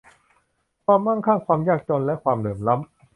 ความมั่งคั่ง ความยากจนและความเหลื่อมล้ำ